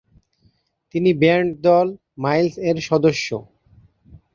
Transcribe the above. তিনি ব্যান্ড দল মাইলস এর সদস্য।